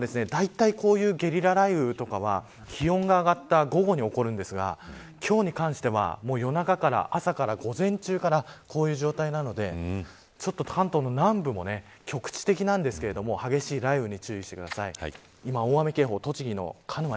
ちょっとこれ北関東の栃木辺りも心配で警報が出たりもしていますのでこの後は、だいたいこういうゲリラ雷雨とかは気温が上がった後に起こるんですが今日に関しては夜中から朝から午前中からこういう状態なので関東の南部も極地的なんですが激しい雷雨に注意してください。